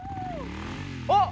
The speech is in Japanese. あっ！